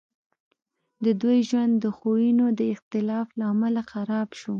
د دوی ژوند د خویونو د اختلاف له امله خراب شو